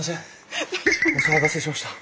お騒がせしました。